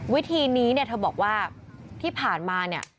วิธีนี้เนี่ยเธอบอกว่าที่ผ่านมาเนี่ย